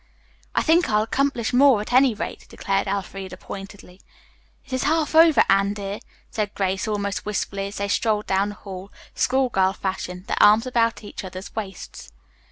"I think I'll accomplish more, at any rate," declared Elfreda pointedly. "It is half over, Anne, dear," said Grace, almost wistfully, as they strolled down the hall, school girl fashion, their arms about each other's waists.